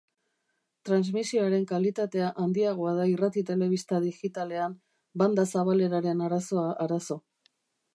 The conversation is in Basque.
Transmisioaren kalitatea handiagoa da irrati-telebista digitalean, banda-zabaleraren arazoa arazo.